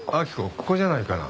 ここじゃないかな？